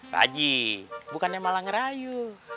pak haji bukannya malah ngerayu